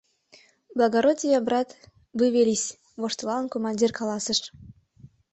— Благородия, брат, вывелись! — воштылалын, командир каласыш.